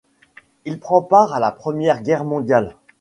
Il prend part à la Première Guerre mondiale.